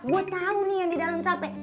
gue tau nih yang di dalam capek